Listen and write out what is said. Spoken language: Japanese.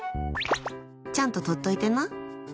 ちゃんと撮っておいてな。